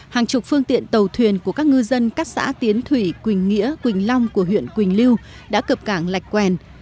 hàng chục phương tiện tàu thuyền của các ngư dân các xã tiến thủy quỳnh nghĩa quỳnh long của huyện quỳnh lưu đã cập cảng lạch quen